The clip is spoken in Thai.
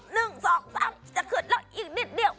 นึ่งสองสามจะขืนรอยอีกเลี้ยว